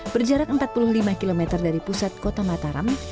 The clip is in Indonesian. berjarak empat puluh lima km dari pusat kota mataram